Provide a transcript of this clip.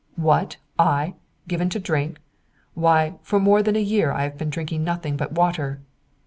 'What? I? Given to drink? Why, for more than a year I have been drinking nothing but water.'